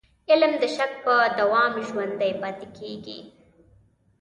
علم د شک په دوام ژوندی پاتې کېږي.